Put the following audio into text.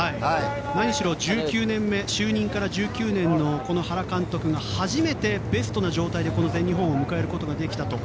何しろ就任から１９年の原監督が初めてベストな状態でこの全日本を迎えることができたと。